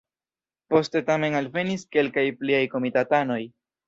Poste tamen alvenis kelkaj pliaj komitatanoj.